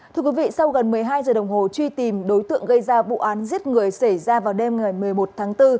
thưa quý vị sau gần một mươi hai giờ đồng hồ truy tìm đối tượng gây ra vụ án giết người xảy ra vào đêm ngày một mươi một tháng bốn